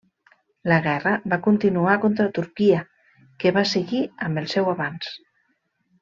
La guerra va continuar contra Turquia que va seguir amb el seu avanç.